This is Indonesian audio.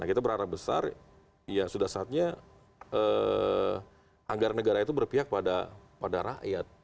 nah kita berharap besar ya sudah saatnya anggaran negara itu berpihak pada rakyat